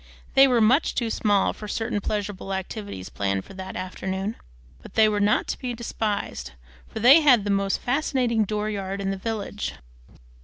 They were much too small for certain pleasurable activities planned for that afternoon; but they were not to be despised, for they had the most fascinating dooryard in the village.